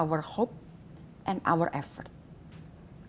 agar harapan kita bisa tercapai